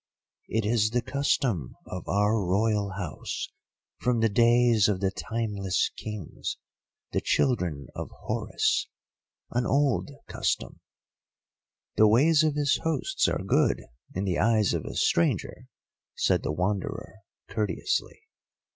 "It is the custom of our Royal House, from the days of the Timeless Kings, the children of Horus. An old custom." "The ways of his hosts are good in the eyes of a stranger," said the Wanderer, courteously.